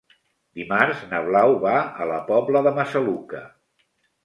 Dimarts na Blau va a la Pobla de Massaluca.